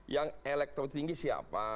yang elektro tinggi siapa